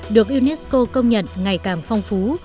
được unesco công nhận ngày càng phong phú